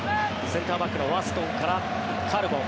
センターバックのワストンからカルボ。